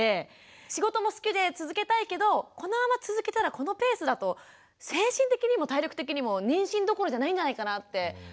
仕事も好きで続けたいけどこのまま続けたらこのペースだと精神的にも体力的にも妊娠どころじゃないんじゃないかなって思ったり。